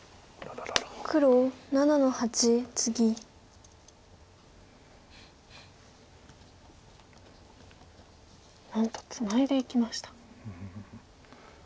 なんとツナいでいきました。